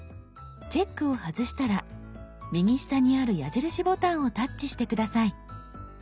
チェックを外したら右下にある矢印ボタンをタッチして下さい。